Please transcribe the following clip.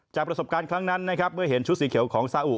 ประสบการณ์ครั้งนั้นนะครับเมื่อเห็นชุดสีเขียวของซาอุ